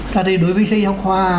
thật ra đối với sách giáo khoa